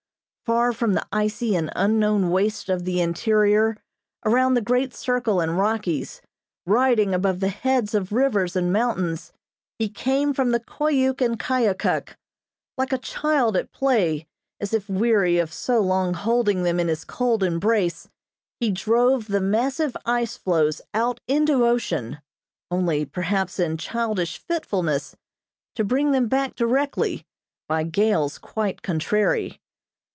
Far from the icy and unknown wastes of the interior, around the great Circle and Rockies, riding above the heads of rivers and mountains, he came from the Koyuk and Koyukuk. Like a child at play, as if weary of so long holding them in his cold embrace, he drove the massive ice floes out into ocean, only, perhaps, in childish fitfulness, to bring them back directly, by gales quite contrary.